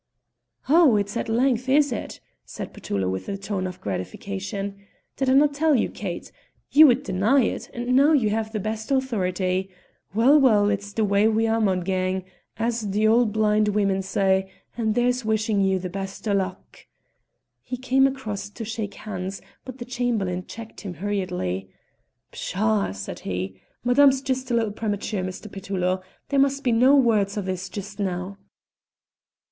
"Oh! it's that length, is it?" said Petullo with a tone of gratification. "Did I no' tell you, Kate? You would deny't, and now you have the best authority. Well, well, it's the way we a' maun gang, as the auld blin' woman said, and here's wishing you the best o' luck!" He came across to shake hands, but the Chamberlain checked him hurriedly. "Psha!" said he. "Madame's just a little premature, Mr. Petullo; there must be no word o' this just now."